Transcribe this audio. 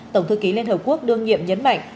tổng thư ký liên hợp quốc đương nhiệm nhấn mạnh